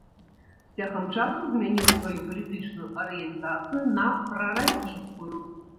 З цягам часу змяніў сваю палітычную арыентацыю на прарасійскую.